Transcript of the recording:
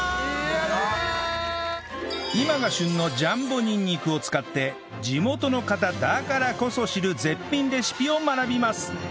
今が旬のジャンボにんにくを使って地元の方だからこそ知る絶品レシピを学びます